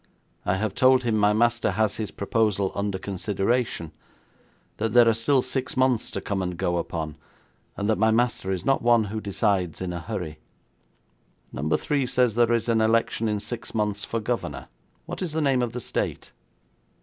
I have told him my master has his proposal under consideration; that there are still six months to come and go upon, and that my master is not one who decides in a hurry.' 'Number Three says there is an election in six months for governor. What is the name of the state?'